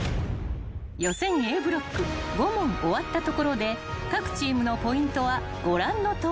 ［予選Ａブロック５問終わったところで各チームのポイントはご覧のとおり］